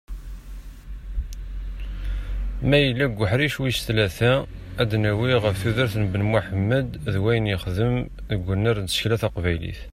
Ma yella deg uḥric wis tlata, ad d-nawwi ɣef tudert n Ben Muḥemmed d wayen yexdem deg wunar n tsekla taqbaylit.